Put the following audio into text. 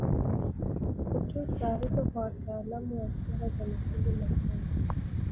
Kutoa taarifa kwa wataalamu wa tiba za mifugo mapema